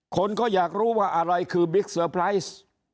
คนก็อยากรู้ว่าอะไรคือบิ๊กเซอร์ไพรส์